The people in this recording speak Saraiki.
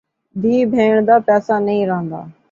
دھی بھیݨ دا پیسہ نئیں رہن٘دا